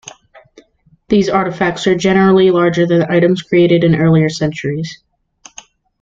These artifacts are generally larger than items created in earlier centuries.